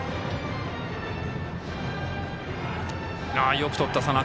よくとった、佐仲。